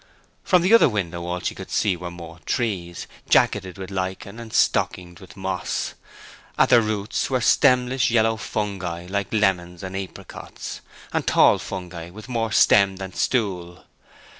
From the other window all she could see were more trees, jacketed with lichen and stockinged with moss. At their roots were stemless yellow fungi like lemons and apricots, and tall fungi with more stem than stool.